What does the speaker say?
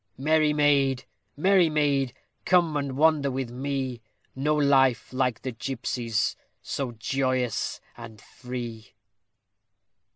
_Merry maid, merry maid, come and wander with me! No life like the gipsy's so joyous and free!